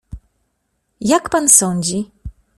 "Jak pan sądzi?"